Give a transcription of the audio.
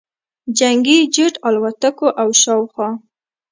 جنګي جټ الوتکو او شاوخوا